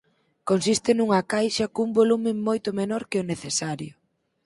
Consiste nunha Caixa cun volume moito menor que o necesario.